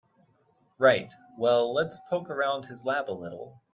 Right, well let's poke around his lab a little.